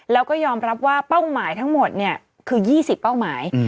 แล้วก็ยอมรับว่าเป้าหมายทั้งหมดคือ๒๐เป้าหมาย